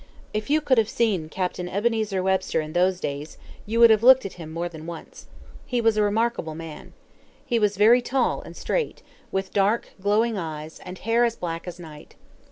If you could have seen Captain Ebenezer Webster in those days, you would have looked at him more than once. He was a remarkable man. He was very tall and straight, with dark, glowing eyes, and hair as black as night.